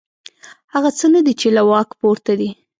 هغه څه نه دي چې له واک پورته دي.